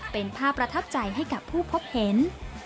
เป็นภาพประทับใจให้กับผู้พบเห็น